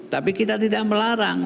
tapi kita tidak melarang